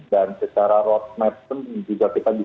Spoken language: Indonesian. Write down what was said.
dan secara roadmap pun juga kita bisa